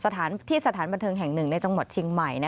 ที่สถานบัตเทิงแห่ง๑ในจังหวัดเชียงใหม่